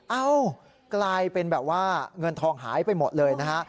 เอ้ากลายเป็นแบบว่าเงินทองหายไปหมดเลยนะฮะ